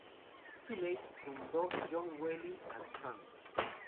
Wiley fundó "John Wiley and Sons".